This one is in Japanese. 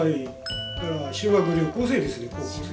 それから修学旅行生ですね高校生。